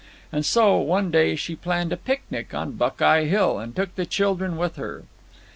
And so, one day, she planned a picnic on Buckeye Hill, and took the children with her.